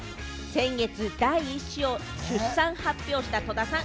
先月、第１子を出産した戸田さん。